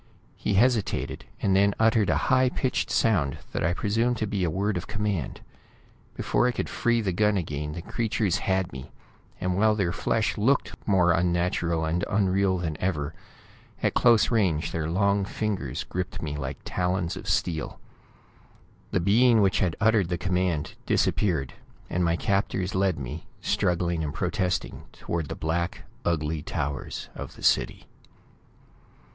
He hesitated, and then uttered a high pitched sound that I presumed to be a word of command. Before I could free the gun again, the creatures had me, and while their flesh looked more unnatural and unreal than ever, at close range, their long fingers gripped me like talons of steel. The being which had uttered the command disappeared, and my captors led me, struggling and protesting, toward the black, ugly towers of the city.